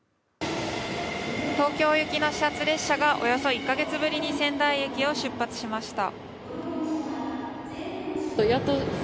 東京行きの始発列車がおよそ１か月ぶりに仙台駅を出発しました。